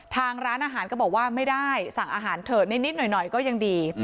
ทางร้านอาหารก็บอกว่าไม่ได้สั่งอาหารเถอะนิดหน่อยก็ยังดี